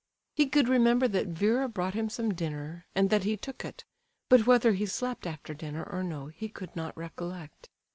He could remember that Vera brought him some dinner, and that he took it; but whether he slept after dinner, or no, he could not recollect.